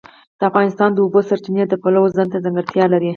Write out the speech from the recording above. افغانستان د د اوبو سرچینې د پلوه ځانته ځانګړتیا لري.